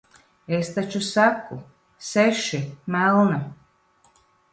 Es taču saku - seši, melna.